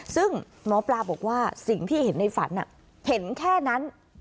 ซึ่งหมอปลาบอกว่าสิ่งที่เห็นในฝันเห็นแค่นั้น